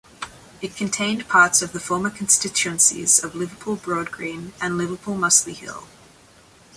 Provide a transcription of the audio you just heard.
It contained parts of the former constituencies of Liverpool Broadgreen and Liverpool Mossley Hill.